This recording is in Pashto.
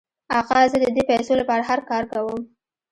آقا زه د دې پیسو لپاره هر کار کوم.